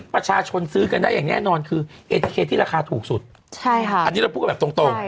ประชาชนทุกคนเองก็คือเซฟตัวเอง